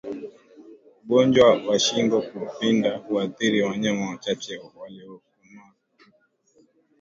Ugonjwa wa shingo kupinda huathiri wanyama wachache waliokomaa